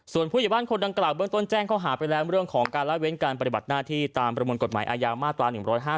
ส่วนผู้ใหญ่บ้านคนดังกล่าวเบื้องต้นแจ้งข้อหาไปแล้วเรื่องของการละเว้นการปฏิบัติหน้าที่ตามประมวลกฎหมายอาญามาตรา๑๕๗